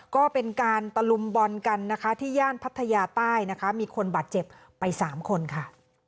ก็เป็นการตะลุมบอลกันนะคะที่ย่านพัทยาใต้นะคะมีคนบาดเจ็บไปสามคนค่ะ